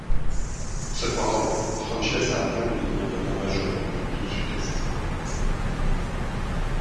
Cependant, Frances a atteint le niveau d’ouragan majeur plus au sud-est.